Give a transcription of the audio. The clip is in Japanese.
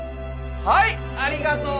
はいありがとう！